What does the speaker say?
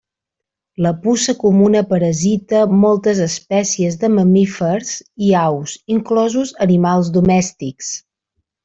La puça comuna parasita moltes espècies de mamífers i aus, inclosos animals domèstics.